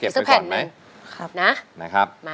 สักแผ่นหนึ่งนะครับ